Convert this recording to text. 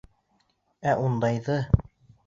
Ә ундайҙы!..